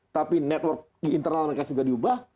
tapi network internal mereka juga diubah